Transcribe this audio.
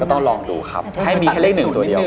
ต้องลองดูครับให้มีแค่เลขหนึ่งตัวเดียว